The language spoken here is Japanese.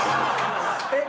えっ！